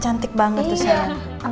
cantik banget tuh sayang